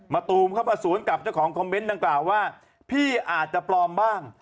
ตูมเข้ามาสวนกับเจ้าของคอมเมนต์ดังกล่าวว่าพี่อาจจะปลอมบ้าง